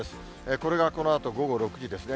これがこのあと午後６時ですね。